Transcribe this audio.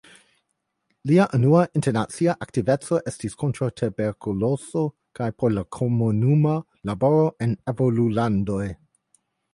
Lia unua internacia aktiveco estis kontraŭ tuberkulozo kaj por komunuma laboro en evolulandoj.